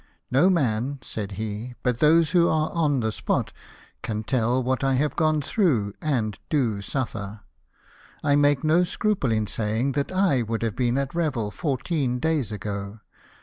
" No man," said he, " but those who are on the spot can tell what I have gone through, and do suffer. I make no scruple in saying that I would have been at Revel fourteen days ago